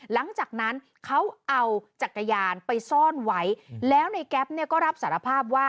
หลังจากนั้นเขาเอาจักรยานไปซ่อนไว้แล้วในแก๊ปเนี่ยก็รับสารภาพว่า